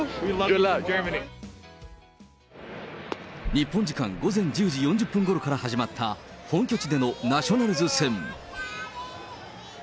日本時間午前１０時４０分ごろから始まった、本拠地でのナショナルズ戦。